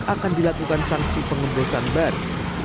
akan dilakukan sanksi pengembusan bar